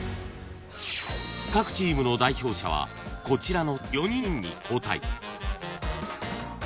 ［各チームの代表者はこちらの４人に交代］